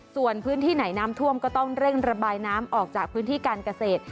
ส่วนพื้นที่ไหนน้ำท่วมก็ต้องเร่งระบายน้ำออกจากพื้นที่การเกษตร